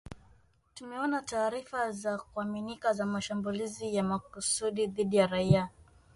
Tumeona taarifa za kuaminika za mashambulizi ya makusudi dhidi ya raia